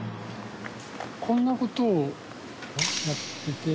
こんな事をやってて。